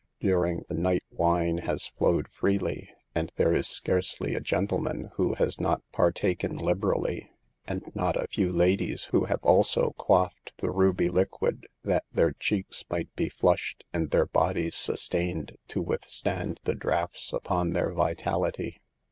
During the night wine has flowed freely, and there is scarcely a gentleman who has not par THE EVILS OF DAHCING. 53 taken liberally, and not a few " ladies " who have also quaffed the ruby liquid that their cheeks might be flushed and their bodies sus tained to withstand the draughts upon their vital ity.